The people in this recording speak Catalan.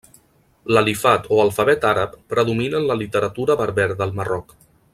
L'alifat o alfabet àrab predomina en la literatura berber del Marroc.